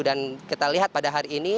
dan kita lihat pada hari ini